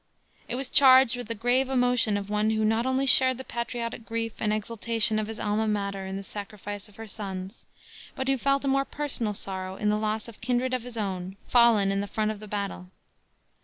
It was charged with the grave emotion of one who not only shared the patriotic grief and exultation of his alma mater in the sacrifice of her sons, but who felt a more personal sorrow in the loss of kindred of his own, fallen in the front of battle.